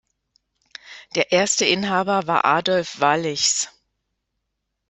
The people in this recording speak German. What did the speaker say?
Der erste Inhaber war Adolf Wallichs.